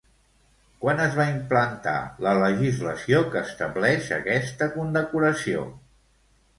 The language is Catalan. Quan es va implantar la legislació que estableix aquesta condecoració?